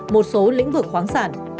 một số lĩnh vực khoáng sản